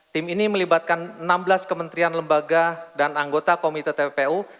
tim ini melibatkan enam belas kementerian lembaga dan anggota komite tppu